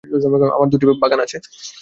আমার দুটি বাগান আছে।